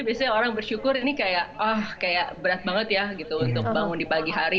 biasanya orang bersyukur ini kayak berat banget ya untuk bangun di pagi hari